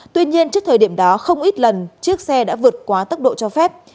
tuy nhiên trước thời điểm đó không ít lần chiếc xe đã vượt quá tốc độ cho phép